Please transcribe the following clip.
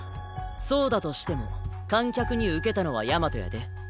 そうだとしても観客にウケたのは大和やで。